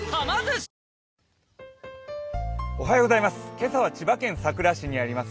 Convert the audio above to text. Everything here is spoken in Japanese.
今朝は千葉県佐倉市にあります